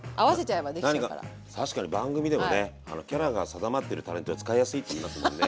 何か確かに番組でもねキャラが定まってるタレントは使いやすいって言いますもんね。